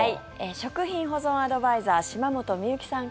食品保存アドバイザー島本美由紀さん